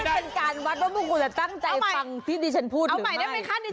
อันนี้เป็นการวัดว่าพวกคุณจะตั้งใจฟังที่ดิฉันพูดหนึ่งไหม